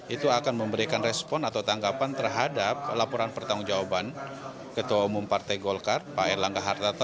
itu akan memberikan respon atau tanggapan terhadap laporan pertanggung jawaban ketua umum partai golkar pak erlangga hartarto